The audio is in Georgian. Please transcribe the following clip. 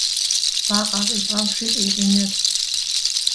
ბაყაყი წყალში ყიყინებს